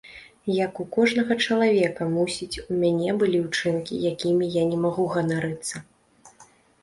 Як у кожнага чалавека, мусіць, у мяне былі ўчынкі, якімі я не магу ганарыцца.